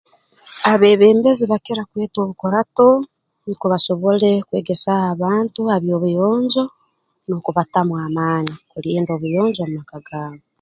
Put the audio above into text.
Abeebembezi bakira kweta orukurato nukwo basobole kwegesaaho abantu ha by'obuyonjo n'okubatamu amaani kulinda obuyonjo omu maka gaabo